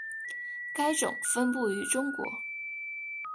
该种分布于中国。